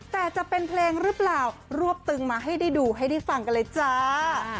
แต่จะเป็นเพลงหรือเปล่ารวบตึงมาให้ได้ดูให้ได้ฟังกันเลยจ้า